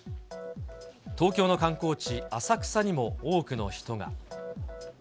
東京の観光地、浅草にも多くの人が。